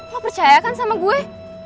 lo percaya kan sama gue